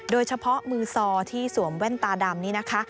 โดยเฉพาะมือซอที่สวมแว่นตาดำนี้นะคะ